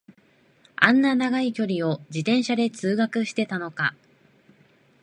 あんな長い距離を自転車で通学してたのか